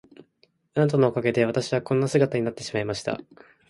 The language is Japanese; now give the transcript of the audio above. あなたのおかげで私はこんな姿になってしまいました。